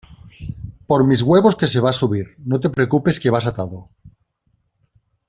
por mis huevos que se va a subir. no te preocupes que vas atado